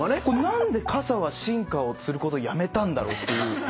何で傘は進化をすることやめたんだろうっていう。